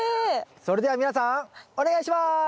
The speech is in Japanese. それでは皆さんお願いします！